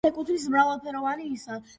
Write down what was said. მას ეკუთვნის მრავალი საგუნდო ნაწარმოები.